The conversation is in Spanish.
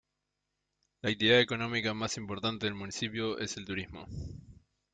La actividad económica más importante del municipio es el turismo.